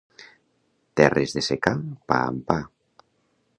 Terres de secà, pa amb pa.